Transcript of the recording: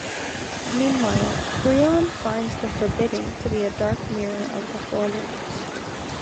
Meanwhile, Grianne finds the Forbidding to be a dark mirror of the Four Lands.